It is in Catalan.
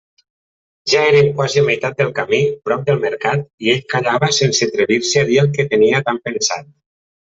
Ja eren quasi a la meitat del camí, prop del Mercat, i ell callava sense atrevir-se a dir el que tenia tan pensat.